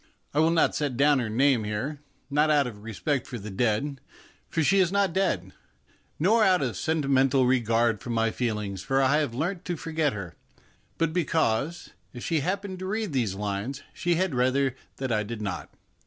I will not set down her name here ; not out of respect for the dead, for she is not AN ELECTION TIDE DREAM 137 dead, nor out of sentimental regard for my feelings, for I have learnt to forget her, but because, if she happened to read these lines, she had rather that I did not.